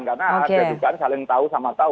karena ada dugaan saling tahu sama tahu